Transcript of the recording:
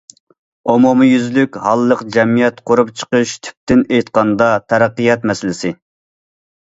ئومۇميۈزلۈك ھاللىق جەمئىيەت قۇرۇپ چىقىش تۈپتىن ئېيتقاندا تەرەققىيات مەسىلىسى.